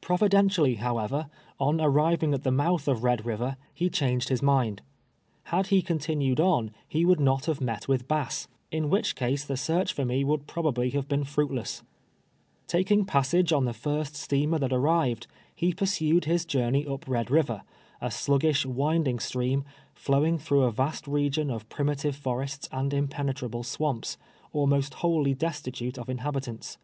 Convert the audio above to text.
Providentially, however, on arriving at the moutli of Red lliver, he changed his mind. Had he continued on, he would not have met with Bass, in * See Appendix B. ARKITAL AT MARKSVILLE. 293 "wliicli case the scarcli for me would })rnl)a1jly have been fruitless. Taking passage on the first steamer that arrived, he pursued his journey up lied liiver, a sluggish, winding stream, flowing through a vast regi«)n of primitive forests and impenetrahle swamps, almost wholly destitute of inhahitants.